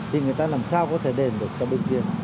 thì người ta làm sao có thể đền được cho bên kia